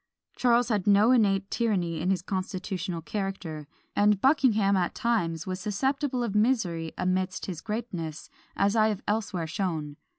Charles had no innate tyranny in his constitutional character; and Buckingham at times was susceptible of misery amidst his greatness, as I have elsewhere shown.